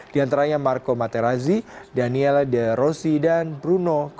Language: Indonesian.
di antaranya marco bacchino totti dan totti di tim nasi italia dan as roma turut hadir dalam peluncuran buku